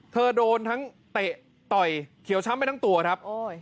โดนทั้งเตะต่อยเขียวช้ำไปทั้งตัวครับ